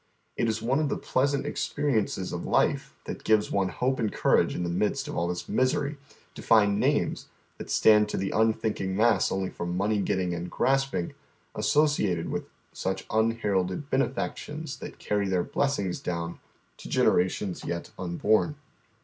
It is one of the pleasant experiences of life that give one hope and courage in the midst of all this misery to find names, tliat stand to tlie unthinking mass only for money getting and grasping, associated with such unheralded benefactions that carry their blessings down to generations yet unborn.